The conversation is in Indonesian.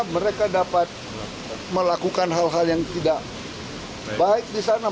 mereka dapat melakukan hal hal yang tidak baik di sana